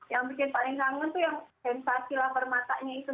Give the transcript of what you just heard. yang bikin paling kangen tuh yang sensasi lapar matanya itu